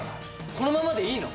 このままでいいの？